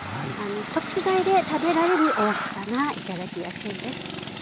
一口大で食べられる大きさが頂きやすいです。